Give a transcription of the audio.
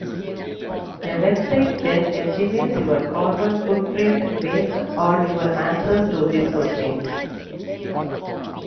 The website then estimates your carbon footprint based on your answers to these questions.